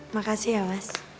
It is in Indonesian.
makasih ya mas